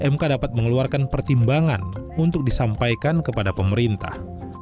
mk dapat mengeluarkan pertimbangan untuk disampaikan kepada pemerintah